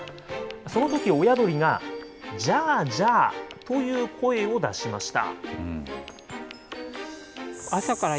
そのとき、親鳥が、ジャージャーという声を出しました。